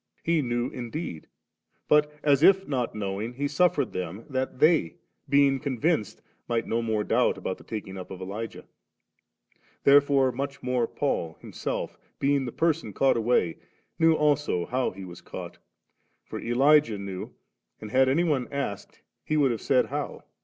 he knew indeed, but as if not knowing, he suffered them, that they being convinced, might no more doubt about the taking up of Elijah. Therefore much more Paul, himself being the person caught away, knew also how he was caught; for Elijah knew; and had any one asked, he would have said how.